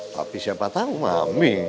tapi siapa tahu mami